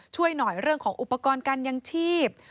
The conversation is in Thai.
ช่วยหน่อยเรื่องของอุปกรณ์การยังชีพ